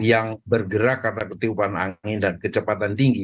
yang bergerak karena ketiupan angin dan kecepatan tinggi